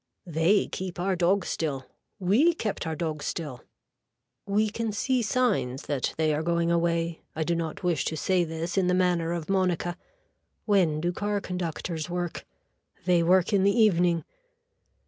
They keep our dog still. We kept our dog still. We can see signs that they are going away. I do not wish to say this in the manner of Monica. When do car conductors work. They work in the evening.